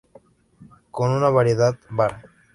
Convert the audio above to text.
Con una variedad "var.